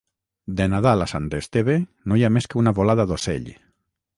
De Nadal a Sant Esteve no hi ha més que una volada d'ocell.